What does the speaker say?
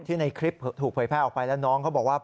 ในคลิปถูกเผยแพร่ออกไปแล้วน้องเขาบอกว่า